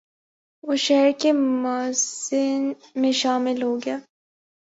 وہ شہر کے معززین میں شامل ہو گیا